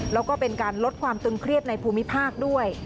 แล้วก็เป็นการลดความตึงเครียดในภูมิภาคด้วย